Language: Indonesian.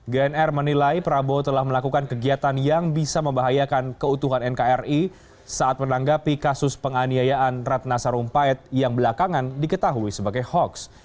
gnr menilai prabowo telah melakukan kegiatan yang bisa membahayakan keutuhan nkri saat menanggapi kasus penganiayaan ratna sarumpait yang belakangan diketahui sebagai hoax